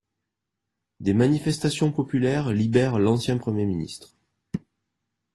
Des manifestations populaires libèrent l'ancien Premier Ministre.